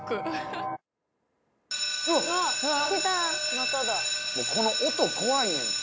・まただ・もうこの音怖いねんて。